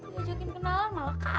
diajakin kenalan malah kabur